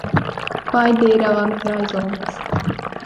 Quai d’eira avant trais ons.